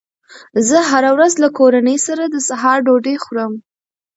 زه هره ورځ له کورنۍ سره د سهار ډوډۍ خورم